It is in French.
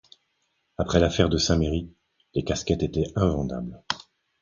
Après l’affaire de Saint-Méry, les casquettes étaient invendables.